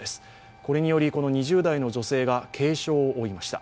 これによりこの２０代の女性が軽傷を負いました。